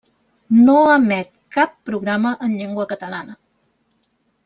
No emet cap programa en llengua catalana.